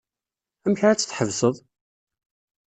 Amek ara tt-tḥebseḍ?